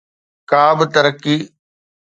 ڪابه ترقي.